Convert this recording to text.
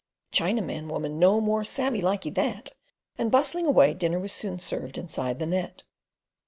"Chinaman woman no more savey likee that," and bustling away, dinner was soon served inside the net.